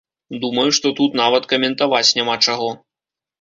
Думаю, што тут нават каментаваць няма чаго.